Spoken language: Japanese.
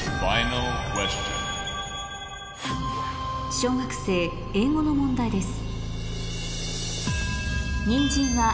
小学生英語の問題です